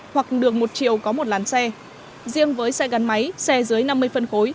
hoặc đường một chiều có một làn xe riêng với xe gắn máy xe dưới năm mươi phân khối